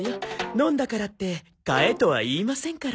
飲んだからって買えとは言いませんから。